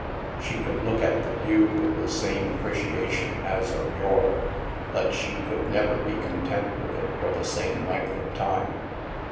She could look at the view with the same appre ciation as of yore, but she could never be content with it for the same length of time.